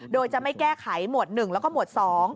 โดยจะไม่แก้ไขหมวด๑แล้วก็หมวด๒